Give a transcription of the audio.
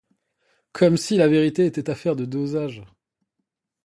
Comme si la vérité était affaire de dosage.